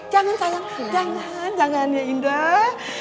jangan jangan jangan ya indah